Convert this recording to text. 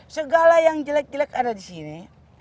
segala yang jelek jelek ada di sini